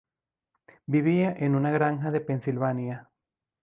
Vivía en una granja de Pensilvania.